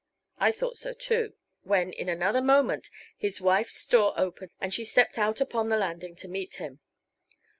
I thought so, too, when in another moment his wife's door opened and she stepped out upon the landing to meet him.